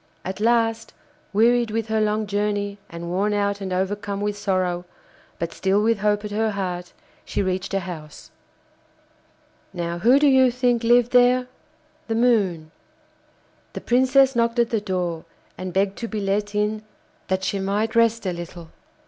At last, wearied with her long journey and worn out and overcome with sorrow, but still with hope at her heart, she reached a house. Now who do you think lived there? The Moon. The Princess knocked at the door, and begged to be let in that she might rest a little.